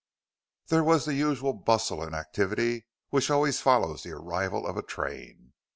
There was the usual bustle and activity which always follows the arrival of a train.